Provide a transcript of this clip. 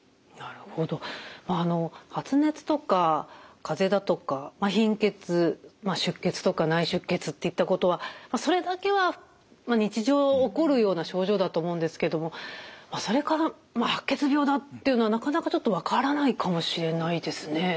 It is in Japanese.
発熱とかかぜだとか貧血出血とか内出血っていったことはそれだけは日常起こるような症状だと思うんですけどもそれから「白血病だ」っていうのはなかなかちょっと分からないかもしれないですね。